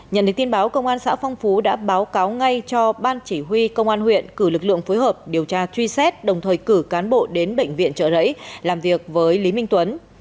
nhận được tin báo công an xã phong phú đã báo cáo ngay cho ban chỉ huy công an huyện cử lực lượng phối hợp điều tra truy xét đồng thời cử cán bộ đến bệnh viện trợ rẫy làm việc với lý minh tuấn